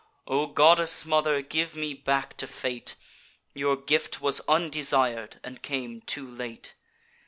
O goddess mother, give me back to Fate; Your gift was undesir'd, and came too late!